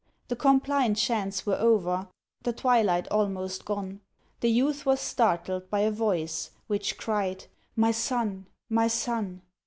The Compline chants were over, The twilight almost gone, The youth was startled by a voice Which cried—"My son! my son!"